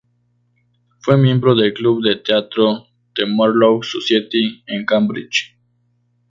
Fue miembro del club de teatro "The Marlowe Society" en Cambridge.